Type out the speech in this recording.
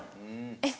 えっ？